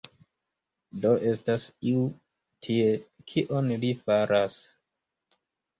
Do estas iu tie, kion li faras?